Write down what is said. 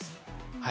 はい。